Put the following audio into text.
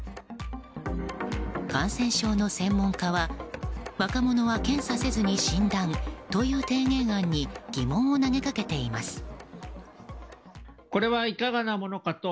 感染症の専門家は若者は検査せずに診断という提言案に疑問を投げかけています。